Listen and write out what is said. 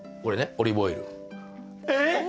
オリーブオイル。